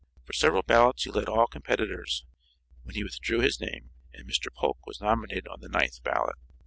For several ballots he led all competitors when he withdrew his name and Mr. Polk was nominated on the ninth ballot.